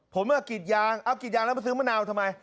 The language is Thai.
ผมกรีดยางเอากรีดยางแล้วมาซื้อมะนาวทำไม